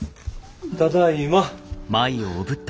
ただいま。